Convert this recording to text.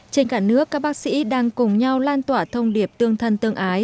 trên cả nước các bác sĩ đang cùng nhau lan tỏa thông điệp tương thân tương ái